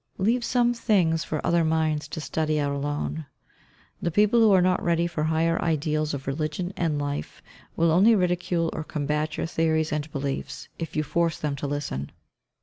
Leave some things for other minds to study out alone. The people who are not ready for higher ideals of religion and life, will only ridicule or combat your theories and beliefs, if you force them to listen.